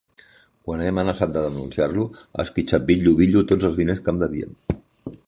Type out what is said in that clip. Quan he amenaçat de denunciar-lo ha esquitxat bitllo-bitllo tots els diners que em devia.